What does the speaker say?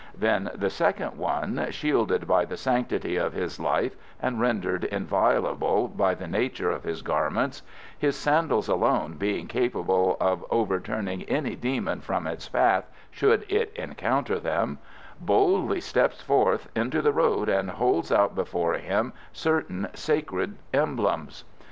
Then the second one, shielded by the sanctity of his life and rendered inviolable by the nature of his garments his sandals alone being capable of overturning any demon from his path should it encounter them boldly steps forth into the road and holds out before him certain sacred emblems.